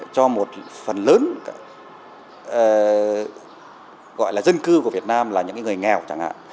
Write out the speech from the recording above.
cho một phần lớn gọi là dân cư của việt nam là những người nghèo chẳng hạn